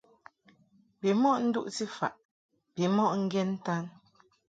Bimɔʼ nduʼti faʼ bimɔʼ ŋgen ntan.